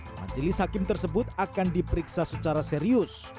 majelis hakim tersebut akan diperiksa secara serius